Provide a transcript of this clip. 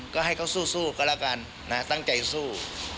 ก็ให้เขาสู้ก็แล้วกันนะตั้งใจสู้